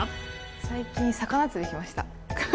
最近、魚釣りしました。